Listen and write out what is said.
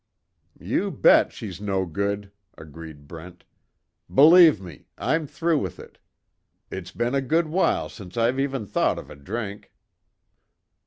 "You bet, she's no good!" agreed Brent, "Believe me, I'm through with it. It's been a good while since I've even thought of a drink."